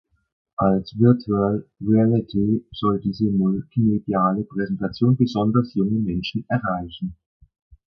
Als Virtual Reality soll diese multimediale Präsentation besonders junge Menschen erreichen.